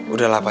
udah lah pa